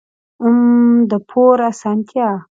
اووم: د پور اسانتیا.